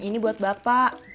ini buat bapak